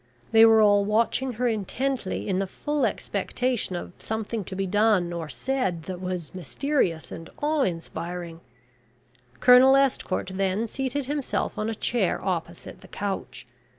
They were all watching her intently in the full expectation of something to be done or said that was mysterious and awe inspiring. Colonel Estcourt then seated himself on a chair opposite the couch.